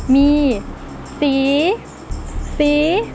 มีสี